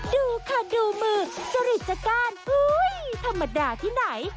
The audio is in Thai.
ดูค่ะดูมือจริตการอุ้ยธรรมดาที่ไหน